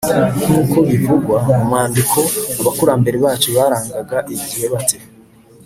nk’uko bivugwa mu mwandiko, abakurambere bacu barangaga igihe bate?